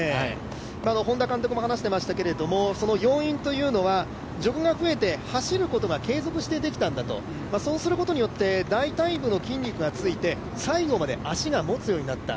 本田監督も話してましたけれども、その要因というのは要因というのはジョグが増えて、走ることが継続してできたんだと、そうすることによって大たい部の筋肉がついて、最後まで足がもつようになった。